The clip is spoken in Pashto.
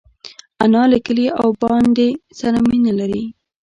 انا له کلي او بانډې سره مینه لري